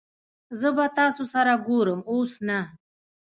زه به تاسو سره ګورم اوس نه